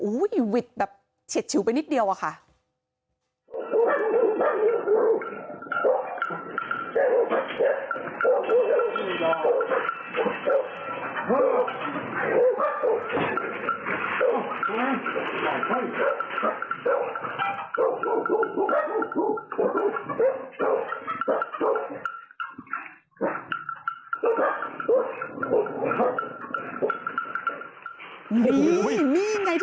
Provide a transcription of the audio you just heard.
หวิดแบบเฉียดฉิวไปนิดเดียวอะค่ะ